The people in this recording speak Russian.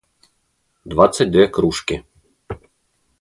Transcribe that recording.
двадцать две кружки